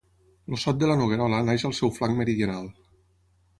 El Sot de la Noguerola neix al seu flanc meridional.